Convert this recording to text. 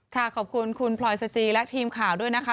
ขอบคุณคุณพลอยสจีและทีมข่าวด้วยนะคะ